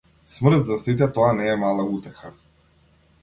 Смрт за сите тоа не е мала утеха.